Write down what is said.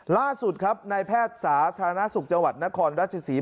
ล่าสุดครับนายแพทย์สาธารณสุขจังหวัดนครราชศรี